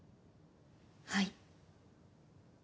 はい。